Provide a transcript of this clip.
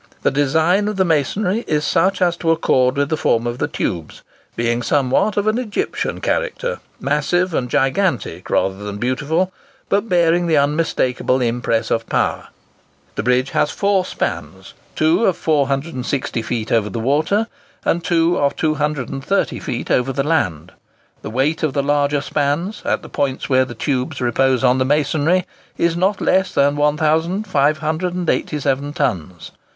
The design of the masonry is such as to accord with the form of the tubes, being somewhat of an Egyptian character, massive and gigantic rather than beautiful, but bearing the unmistakable impress of power. The bridge has four spans,—two of 460 feet over the water, and two of 230 feet over the land. The weight of the larger spans, at the points where the tubes repose on the masonry, is not less than 1587 tons.